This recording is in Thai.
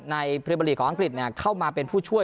ในพฤบาลีของอังกฤษเนี่ยเข้ามาเป็นผู้ช่วย